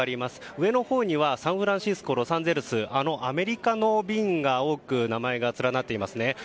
上のほうにはサンフランシスコ、ロサンゼルスアメリカの便が多く名前が連なっていますね。